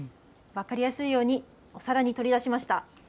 分かりやすいようにお皿に取り出しました。